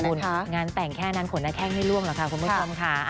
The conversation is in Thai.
ขอบคุณงานแต่งแค่นั้นผลหน้าแข้งให้ร่วมเหรอคุณผู้ชมคะ